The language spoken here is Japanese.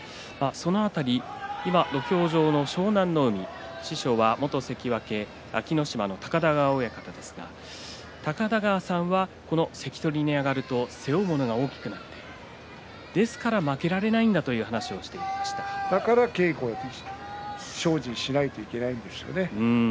土俵上の湘南乃海師匠元関脇安芸乃島の高田川親方ですが高田川さんがこの関取に上がると背負うものが大きくなるですから負けられないだから稽古に精進しないといけないんですね。